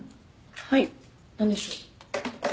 はい何でしょう？